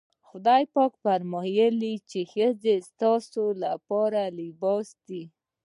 خدای پاک فرمايي چې ښځې ستاسې لپاره لباس دي.